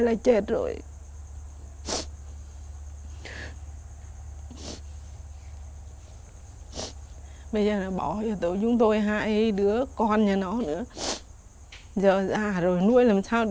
bây giờ nó bỏ cho tụi chúng tôi